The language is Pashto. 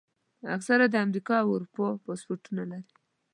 اکثره د امریکا او اروپا پاسپورټونه لري.